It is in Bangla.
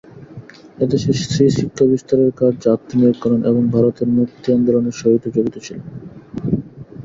এদেশে স্ত্রীশিক্ষাবিস্তারের কার্যে আত্মনিয়োগ করেন এবং ভারতের মুক্তি-আন্দোলনের সহিতও জড়িত ছিলেন।